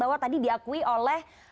bahwa tadi diakui oleh